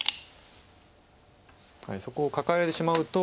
そこをカカえてしまうと。